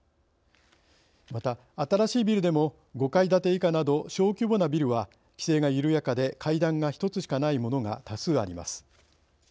また、新しいビルでも５階建て以下など小規模なビルは規制が緩やかで階段が１つしかないものが多数あります。